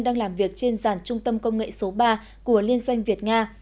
đang làm việc trên giàn trung tâm công nghệ số ba của liên doanh việt nga